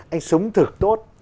anh sống thực tốt